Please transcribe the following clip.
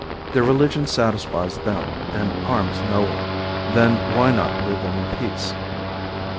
Their religion satisfies them and harms no one, then why not leave them in peace?